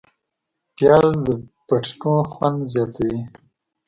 پیاز د فټنو خوند زیاتوي